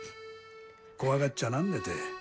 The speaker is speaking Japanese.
怖がっちゃなんねて。